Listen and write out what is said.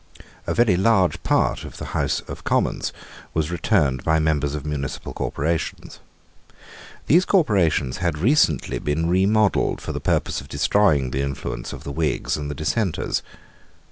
A very large part of the House of Commons was returned by members of municipal corporations. These corporations had recently been remodelled for the purpose of destroying the influence of the Whigs and Dissenters.